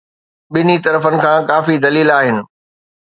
ٻنهي طرفن کان ڪافي دليل آهن.